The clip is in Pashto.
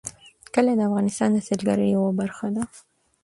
کلي د افغانستان د سیلګرۍ یوه برخه ده.